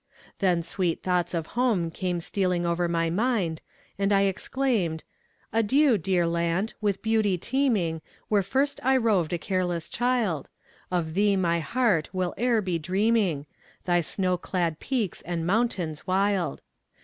Then sweet thoughts of home came stealing over my mind, and I exclaimed: Adieu, dear land, With beauty teeming, Where first I roved a careless child; Of thee my heart Will e'er be dreaming Thy snow clad peaks and mountains wild.